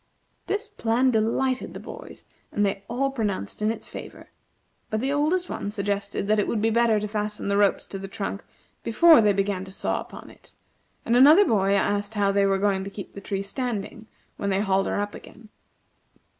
This plan delighted the boys, and they all pronounced in its favor; but the oldest one suggested that it would be better to fasten the ropes to the trunk before they began to saw upon it, and another boy asked how they were going to keep the tree standing when they hauled her up again.